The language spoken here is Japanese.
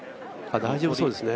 大丈夫そうですね。